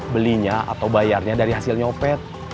belinya atau bayarnya dari hasil nyopet